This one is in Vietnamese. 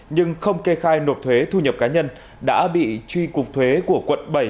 nhưng không kê khai nộp thuế thu nhập cá nhân đã bị truy cục thuế của quận bảy